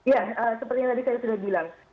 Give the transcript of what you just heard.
ya seperti yang tadi saya sudah bilang